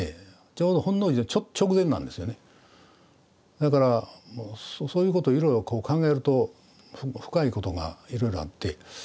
だからそういうこといろいろ考えると深いことがいろいろあって。